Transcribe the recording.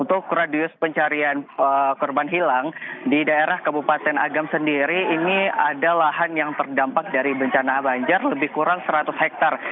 untuk radius pencarian korban hilang di daerah kabupaten agam sendiri ini ada lahan yang terdampak dari bencana banjir lebih kurang seratus hektare